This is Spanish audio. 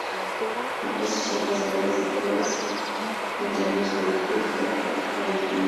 Compuestos de hojas verdes y de flores, mantenidos por la "Fund for Park Avenue".